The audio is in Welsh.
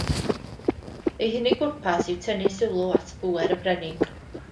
Eu hunig bwrpas yw tynnu sylw at bŵer y brenin